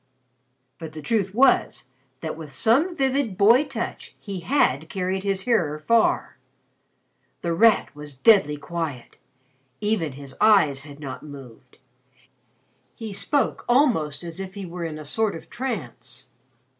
But the truth was, that with some vivid boy touch he had carried his hearer far. The Rat was deadly quiet. Even his eyes had not moved. He spoke almost as if he were in a sort of trance.